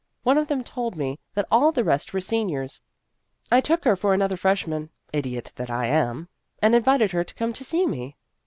One of them told me that all the rest were seniors. I took her for another freshman (idiot that I am), and invited her to come to see me.